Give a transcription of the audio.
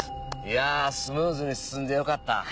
いやスムーズに進んでよかった。